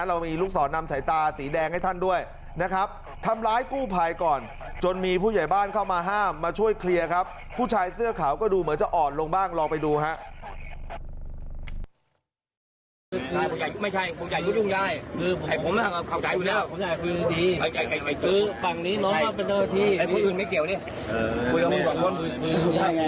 เรามีลูกศรนำสายตาสีแดงให้ท่านด้วยนะครับทำร้ายกู้ภัยก่อนจนมีผู้ใหญ่บ้านเข้ามาห้ามมาช่วยเคลียร์ครับผู้ชายเสื้อขาวก็ดูเหมือนจะอ่อนลงบ้างลองไปดูครับ